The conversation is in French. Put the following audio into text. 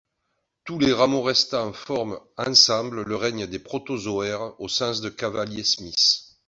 Tous les rameaux restants forment ensemble le règne des Protozoaires au sens de Cavalier-Smith.